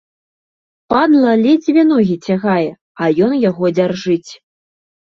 Падла ледзьве ногі цягае, а ён яго дзяржыць.